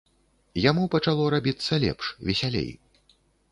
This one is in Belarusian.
Яму пачало рабіцца лепш, весялей.